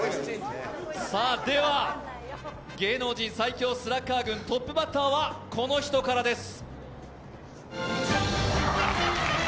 では、芸能人最強スラッガー軍、トップバッターはこの人からです。